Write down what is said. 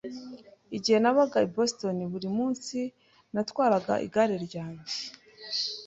Igihe nabaga i Boston, buri munsi natwaraga igare ryanjye.